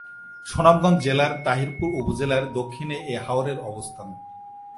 সুনামগঞ্জ জেলার তাহিরপুর উপজেলার দক্ষিণে এ হাওরের অবস্থান।